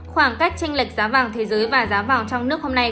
khoảng cách tranh lệch giá vàng thế giới và giá vàng trong nước hôm nay